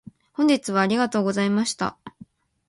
本日はありがとうございました。